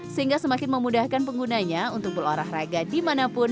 sehingga semakin memudahkan penggunanya untuk berolahraga dimanapun